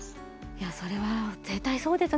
いやそれは絶対そうですよね。